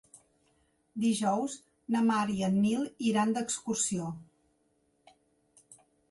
Dijous na Mar i en Nil iran d'excursió.